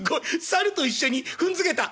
サルと一緒に踏んづけた。